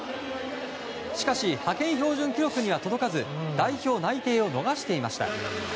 しかし、派遣標準記録には届かず代表内定を逃していました。